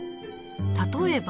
例えば